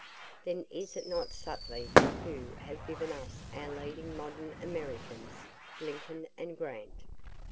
"Then is it not subtly they who have given us our leading modern Americans, Lincoln and Grant?